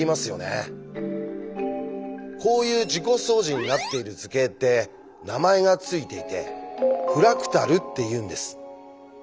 こういう自己相似になっている図形って名前が付いていて「フラクタル」っていうんです。